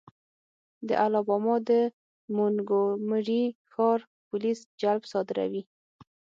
د الاباما د مونګومري ښار پولیس جلب صادروي.